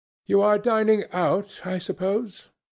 You are dining out, I suppose?